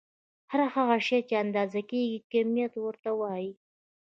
هر هغه شی چې اندازه کيږي کميت ورته وايې.